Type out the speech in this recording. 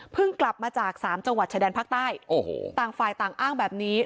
กลับมาจากสามจังหวัดชายแดนภาคใต้โอ้โหต่างฝ่ายต่างอ้างแบบนี้